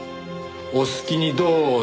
お好きにどうぞ。